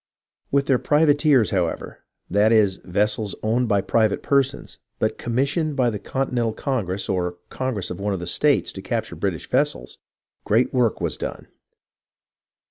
With their privateers, however, — that is, with vessels owned by private persons, but commissioned by the Con tinental Congress or the Congress of one of the states to capture British vessels, — great work was done.